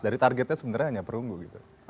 dari targetnya sebenarnya hanya perunggu gitu